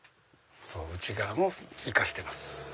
内側も生かしてます。